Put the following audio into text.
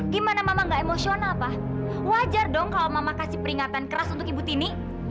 gimana mama gak emosional pak wajar dong kalau mama kasih peringatan keras untuk ibu tini